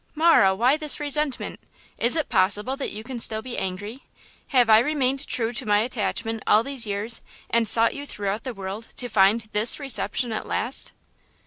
"Marah, why this resentment? Is it possible that you can still be angry? Have I remained true to my attachment all these years and sought you throughout the world to find this reception at last?"